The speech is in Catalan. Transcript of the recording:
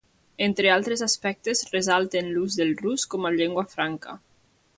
Entre altres aspectes ressalten l'ús del rus com a llengua franca.